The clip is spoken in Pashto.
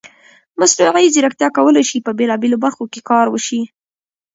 مصنوعي ځیرکتیا کولی شي په بېلابېلو برخو کې کار وشي.